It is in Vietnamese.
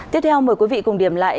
tiếp theo mời quý vị cùng điểm lại